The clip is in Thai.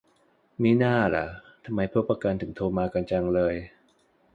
มิน่าล่ะ ทำไมพวกประกัน ถึงโทรมากันจังเลย